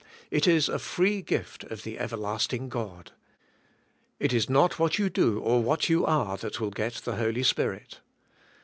It is a free gift of the everlasting God. It is not what you do or what you are that will get the Holy Spirit.